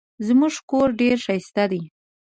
زموږ کور ډېر ښایسته دی.